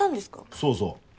そうそう。